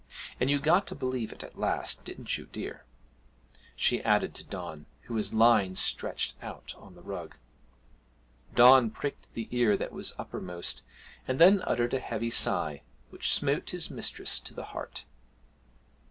And you got to believe it at last, didn't you, dear?' she added to Don, who was lying stretched out on the rug. Don pricked the ear that was uppermost, and then uttered a heavy sigh, which smote his mistress to the heart.